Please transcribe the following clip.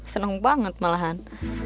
seneng banget malahan